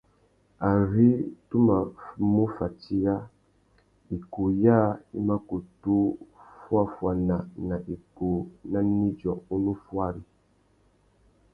Ari tu mà mù fatiya, ikūh yâā i mà kutu fuáffuana nà ikūh nà nidjô unú fuári.